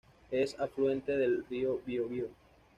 Es afluente del río Biobío.